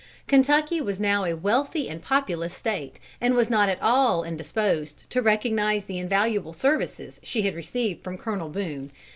Kentucky was now a wealthy and populous State, and was not at all indisposed to recognise the invaluable services she had received from Colonel Boone.